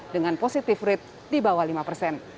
dengan positive rate di bawah lima persen